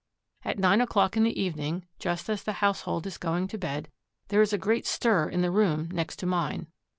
At nine o'clock in the evening, just as the household is going to bed, there is a great stir in the room next to mine.